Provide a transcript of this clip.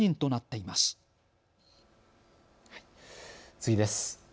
次です。